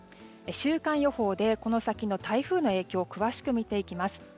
週間予報でこの先の台風の影響を詳しく見ていきます。